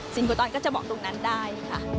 ซินโครตอนก็จะบอกตรงนั้นได้